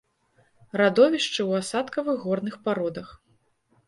Радовішчы ў асадкавых горных пародах.